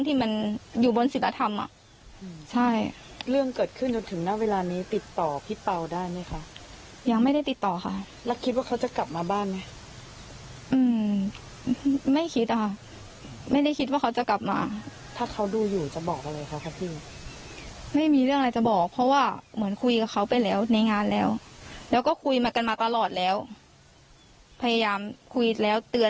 ที่มันอยู่บนศิลธรรมอ่ะใช่เรื่องเกิดขึ้นจนถึงณเวลานี้ติดต่อพี่เป่าได้ไหมคะยังไม่ได้ติดต่อค่ะแล้วคิดว่าเขาจะกลับมาบ้านไหมอืมไม่คิดอะค่ะไม่ได้คิดว่าเขาจะกลับมาถ้าเขาดูอยู่จะบอกอะไรเขาครับพี่ไม่มีเรื่องอะไรจะบอกเพราะว่าเหมือนคุยกับเขาไปแล้วในงานแล้วแล้วก็คุยมากันมาตลอดแล้วพยายามคุยแล้วเตือน